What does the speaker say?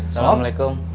paula nggak makan juga